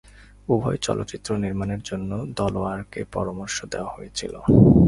উভয় চলচ্চিত্র নির্মাণের জন্য দালেয়ারকে পরামর্শ দেওয়া হয়েছিল।